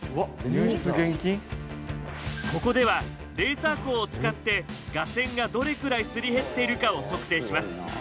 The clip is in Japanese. ここではレーザー光を使って架線がどれくらいすり減っているかを測定します。